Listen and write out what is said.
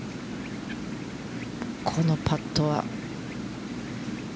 このパットは。